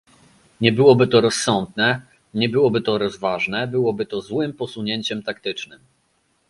Nie byłoby to rozsądne, nie byłoby to rozważne, byłoby to złym posunięciem taktycznym